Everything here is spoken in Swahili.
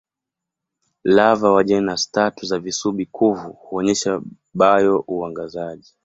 Lava wa jenasi tatu za visubi-kuvu huonyesha bio-uangazaji.